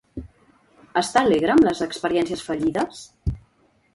Està alegre amb les experiències fallides?